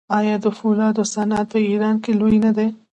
آیا د فولادو صنعت په ایران کې لوی نه دی؟